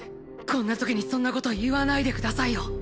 こんなときにそんなこと言わないでくださいよ